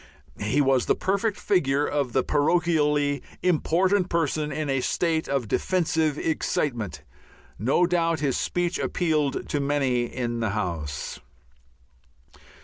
He was the perfect figure of the parochially important person in a state of defensive excitement. No doubt his speech appealed to many in the House.